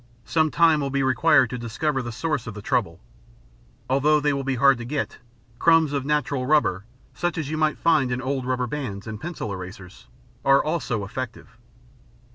Some time will be required to discover the source of the trouble. Although they will be hard to get, crumbs of natural rubber, such as you might find in old rubber bands and pencil erasers, are also effective.